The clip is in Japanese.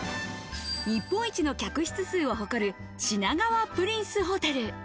日本一の客室数を誇る品川プリンスホテル。